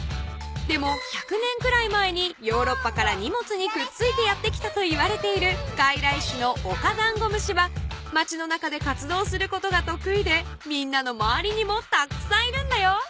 でも１００年くらい前にヨーロッパから荷物にくっついてやって来たといわれているがいらいしゅのオカダンゴムシは町の中で活動することがとくいでみんなのまわりにもたくさんいるんだよ。